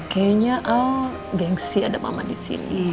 kayaknya oh gengsi ada mama disini